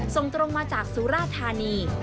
ส่งตรงมาจากสุราธานี